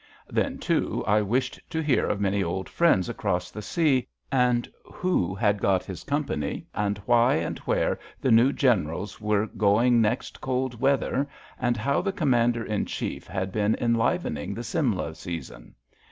Then, too, I wished to hear of many old friends across the sea, and who had got his company, and why and where the new Generals were going next cold weather, and how the Commander in Chief 254 THE THREE YOUNG MEN 255 had been enlivening the Simla season.